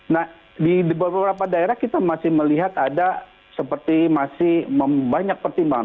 nah di beberapa daerah kita masih melihat ada seperti masih banyak pertimbangan